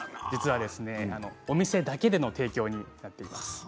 実はお店だけでの提供になっています。